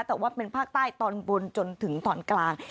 แต่ว่าเป็นภาคใต้ตอนบนจนถึงตอนกลาง